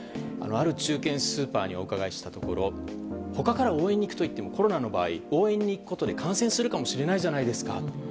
ある中堅スーパーにお伺いしたところ他から応援に行くといってもコロナの場合応援に行くことで感染するかもしれないじゃないですか。